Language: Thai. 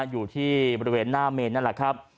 อยู่ที่บริเวณหน้าเมนนั่นแหละครับ